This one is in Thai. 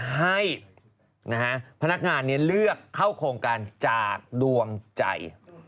ให้พนักงานเลือกเข้าโครงการจากดวงใจ